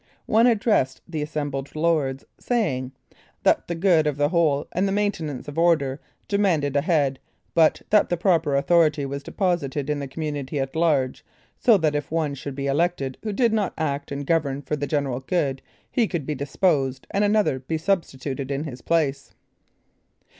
One addressed the assembled lords, saying, "that the good of the whole, and the maintenance of order, demanded a head, but that the proper authority was deposited in the community at large; so that if one should be elected who did not act and govern for the general good, he could be deposed, and another be substituted in his place."